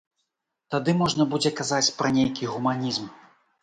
Тады можна будзе казаць пра нейкі гуманізм.